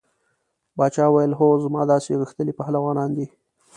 باچا وویل هو زما داسې غښتلي پهلوانان دي.